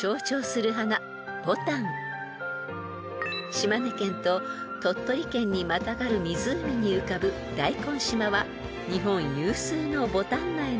［島根県と鳥取県にまたがる湖に浮かぶ大根島は日本有数のボタン苗の生産地］